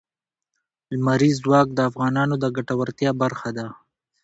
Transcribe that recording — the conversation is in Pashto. لمریز ځواک د افغانانو د ګټورتیا برخه ده.